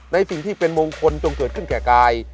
ในสิ่งที่เป็นมงคลจงเกิดขึ้นแก่กาย